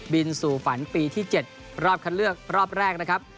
บินสู่ฝันปีที่๗รอบคัดเลือกรอบแรกนะครับ